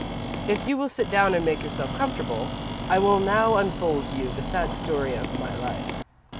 "If you will sit down, and make yourself comfortable, I will now unfold to you the sad story of my life.